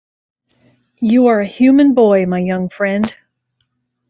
You are a human boy, my young friend.